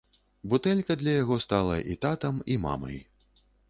Бутэлька для яго стала і татам, і мамай.